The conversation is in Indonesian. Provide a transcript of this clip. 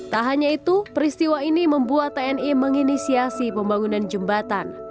tak hanya itu peristiwa ini membuat tni menginisiasi pembangunan jembatan